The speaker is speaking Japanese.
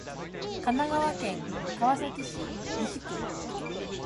神奈川県川崎市西区